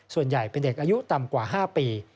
ส่วนใหญ่เป็นเด็กอายุต่ำกว่า๕ปี